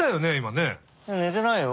ねてないよ。